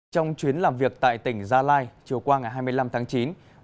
trong chuyến làm việc tại tỉnh gia lai chiều qua ngày hai mươi năm tháng chín